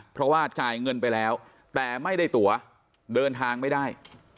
เพราะว่าจ่ายเงินไปแล้วแต่ไม่ได้ตัวเดินทางไม่ได้